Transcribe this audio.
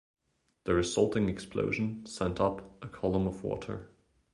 The resulting explosion sent up a column of water.